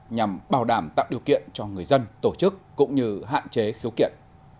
nhằm bảo đảm tạo điều kiện cho người dân tổ chức cũng như hạn chế khiếu kiện